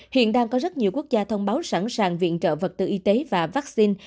hiện đang có rất nhiều quốc gia thông báo sẵn sàng viện trợ vật tư y tế và vaccine